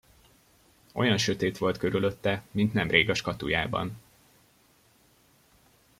Olyan sötét volt körülötte, mint nemrég a skatulyában.